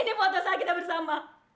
ini foto saya kita bersama